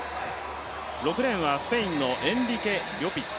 ６レーンはスペインのエンリケ・リョピス。